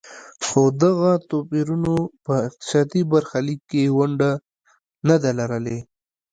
خو دغو توپیرونو په اقتصادي برخلیک کې ونډه نه ده لرلې.